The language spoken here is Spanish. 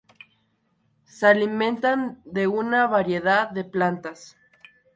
Se alimentan de una variedad de plantas.